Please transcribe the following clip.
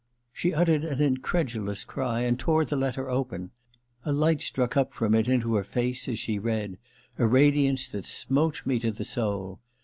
She uttered an incredulous cry and tore the letter open. A light struck up from it into her face as she read — a radiance that smote me to the soul.